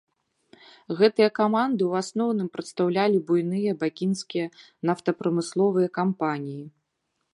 Гэтыя каманды ў асноўным прадстаўлялі буйныя бакінскія нафтапрамысловыя кампаніі.